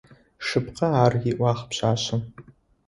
Шъыпкъэ ар,— ыӏуагъ пшъашъэм.